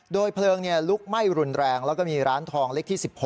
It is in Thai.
เพลิงลุกไหม้รุนแรงแล้วก็มีร้านทองเล็กที่๑๖